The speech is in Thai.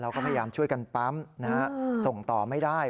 พยายามช่วยกันปั๊มส่งต่อไม่ได้